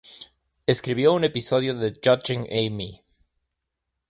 Escribió un episodio de Judging Amy.